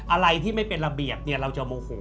อะไรที่ไม่เป็นระเบียบเนี่ยเราจะโมโห